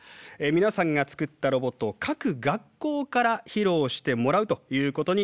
皆さんが作ったロボットを各学校から披露してもらうということになります。